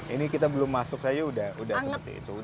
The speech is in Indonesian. ini kita belum masuk saja udah seperti itu